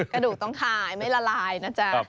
กระดูกต้องคายไม่ละลายนะจ๊ะ